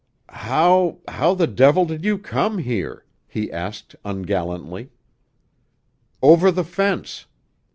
"How how the devil did you come here?" he asked ungallantly. "Over the fence."